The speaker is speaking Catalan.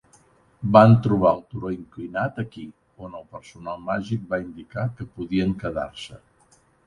Van trobar el turó inclinat aquí, on el personal màgic va indicar que podien quedar-se.